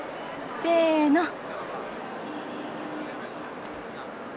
せの！